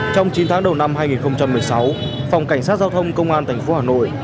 trong chín tháng đầu năm hai nghìn một mươi sáu phòng cảnh sát giao thông công an tp hà nội